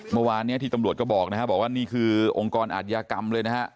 เมื่อวานนี้ที่ตำรวจก็บอกนะครับบอกว่านี่คือองค์กรอาทยากรรมเลยนะฮะ